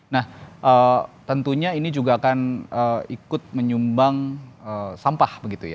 nah tentunya ini juga akan ikut menyumbang sampah begitu ya